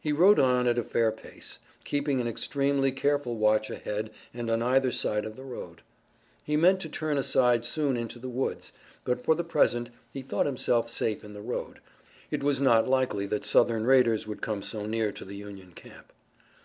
He rode on at a fair pace, keeping an extremely careful watch ahead and on either side of the road. He meant to turn aside soon into the woods, but for the present he thought himself safe in the road it was not likely that Southern raiders would come so near to the Union camp.